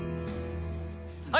はい。